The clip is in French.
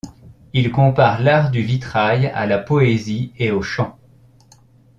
Il compare l’art du vitrail à la poésie et au chant.